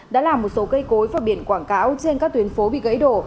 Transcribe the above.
đã làm một số cây cối và biển quảng cáo trên các tuyến phố bị gãy đổ